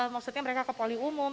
maksudnya mereka ke poli umum